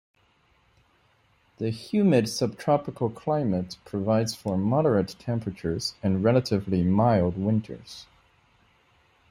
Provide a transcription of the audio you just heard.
The humid subtropical climate provides for moderate temperatures and relatively mild winters.